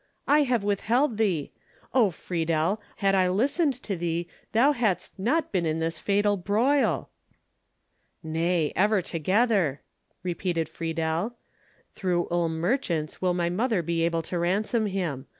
"I have withheld thee! O Friedel, had I listened to thee, thou hadst not been in this fatal broil!" "Nay, ever together," repeated Friedel. "Through Ulm merchants will my mother be able to ransom him.